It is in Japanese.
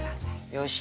よし！